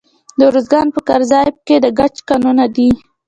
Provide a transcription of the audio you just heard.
د ارزګان په ګیزاب کې د ګچ کانونه دي.